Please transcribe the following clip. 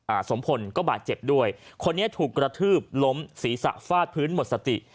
สมพลก็บาดเจ็บด้วยคนนี้ถูกกระทืบล้มศีรษะฟาดพื้นหมดสติ